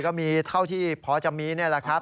ก็มีเท่าที่พอจะมีนะฮะ